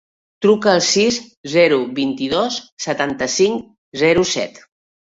Truca al sis, zero, vint-i-dos, setanta-cinc, zero, set.